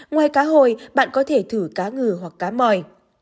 ngoài cá hồi bạn có thể thử cá ngừ hoặc cá mòi